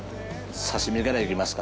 刺身からいきますか。